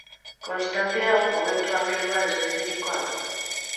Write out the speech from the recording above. Konstante hau momentu angeluar espezifikoa da.